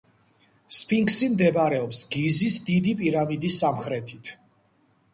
სფინქსი მდებარეობს გიზის დიდი პირამიდის სამხრეთით.